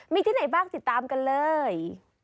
มีที่ไหนบ้างติดตามกันเลย